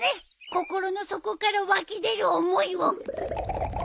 心の底から湧き出る思いを。